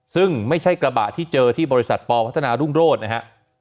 ซึ่งไม่ใช่กระบะที่เจอที่บริษัทปพัฒนารุ่งโรธนะฮะ